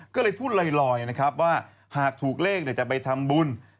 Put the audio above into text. ก็เลยพูดลอยว่าหากถูกเลขเดี๋ยวจะไปทำบุญ